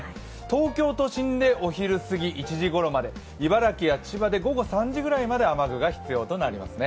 東京都心でお昼過ぎ、１時ごろまで、茨城や千葉で午後３時ぐらいまで雨具が必要となります。